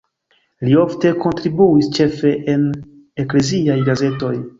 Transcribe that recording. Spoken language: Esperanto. Li ofte kontribuis ĉefe en ekleziaj gazetoj.